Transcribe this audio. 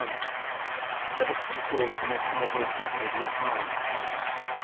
1) that a twofold connection of virtues may be assigned.